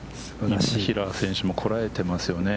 今平選手もこらえていますよね。